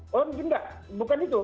oh mungkin enggak bukan itu